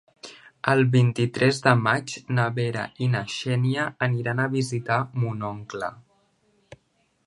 El vint-i-tres de maig na Vera i na Xènia aniran a visitar mon oncle.